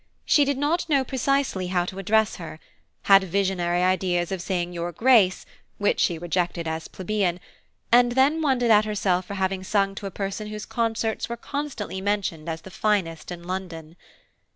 She did not know precisely how to address her; had visionary ideas of saying your Grace, which she rejected as plebeian; and then wondered at herself for having sung to a person whose concerts were constantly mentioned as the finest in London.